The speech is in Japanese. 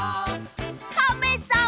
「カメさん」